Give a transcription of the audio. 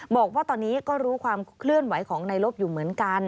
บอกว่าตอนนี้ก็รู้ความเคลื่อนไหวของในลบอยู่เหมือนกัน